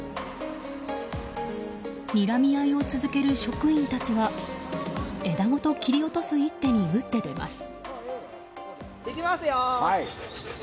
にらみ合いを続ける職員たちは枝ごと切り落とす一手に打って出ます。